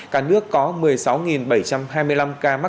cả nước có thể tìm hiểu về tình hình dịch bệnh covid một mươi chín